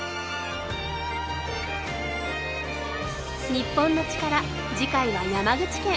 『日本のチカラ』次回は山口県。